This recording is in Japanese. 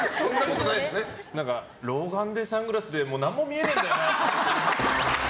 老眼でサングラスで、もう何も見えねえんだよなあっぽい。